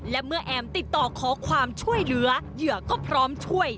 และเมื่อแอมติดต่อขอความช่วยเหลือเหยื่อก็พร้อมช่วย